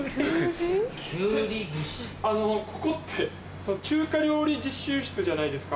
ここって中華料理実習室じゃないですか。